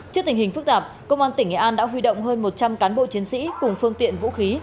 trước tình hình phức tạp công an tp vinh đã huy động hơn một trăm linh cán bộ chiến sĩ cùng phương tiện vũ khí